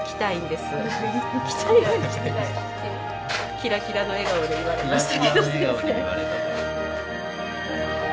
キラキラの笑顔で言われたけど。